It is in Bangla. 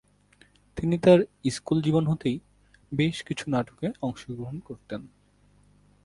তিনি তাঁর স্কুল জীবন হতেই বেশ কিছু নাটকে অংশগ্রহণ করতেন।